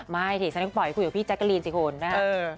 ไม่สิฉันยังปล่อยคุยกับพี่แจ๊กกะรีนสิค่ะ